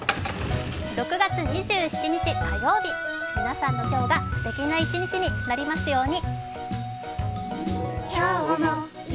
６月２７日、火曜日皆さんの今日がすてきな一日になりますように。